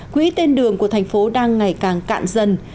quỹ tên đường của thành phố đang ngày càng cạn dần